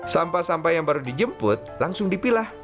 sampah sampah yang baru dijemput langsung dipilah